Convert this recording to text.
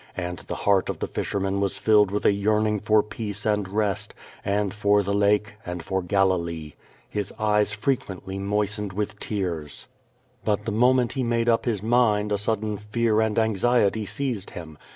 And the heart of the fisherman was filled with a yearning for peace QUO VADI8. 489 and rest, and for the lake and for Galilee. His eyes fre quently moistened with tears. But the moment he made up his mind a sudden fear and anxiety seized him.